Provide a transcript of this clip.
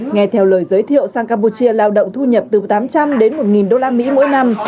nghe theo lời giới thiệu sang campuchia lao động thu nhập từ tám trăm linh đến một usd mỗi năm